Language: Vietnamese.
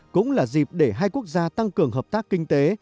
cũng là dịp để hai quốc gia tăng cường hợp tác kinh tế